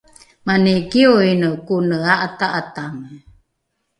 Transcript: mani kioine kone a’ata’atange